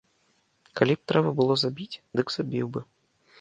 Калі б трэба было забіць, дык забіў бы.